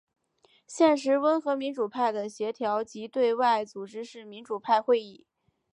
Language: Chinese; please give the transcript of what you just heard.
现时温和民主派的协调及对外组织是民主派会议。